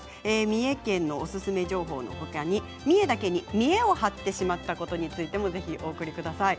三重県のおすすめ情報のほかに三重だけにミエを張ってしまったことについてもお送りください。